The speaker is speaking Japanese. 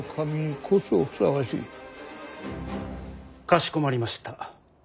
かしこまりました。